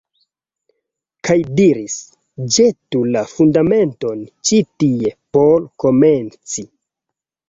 Kaj diris «Ĵetu la Fundamenton ĉi tie por komenci».